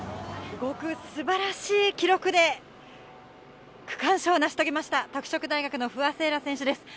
５区、素晴らしい記録で区間賞を成し遂げました、拓殖大学の不破聖衣来選手です。